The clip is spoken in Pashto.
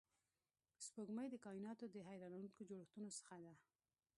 سپوږمۍ د کایناتو د حیرانونکو جوړښتونو څخه ده